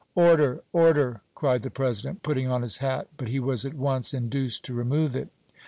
"Order order!" cried the President, putting on his hat, but he was at once induced to remove it.